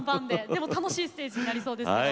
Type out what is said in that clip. でも楽しいステージになりそうですけど。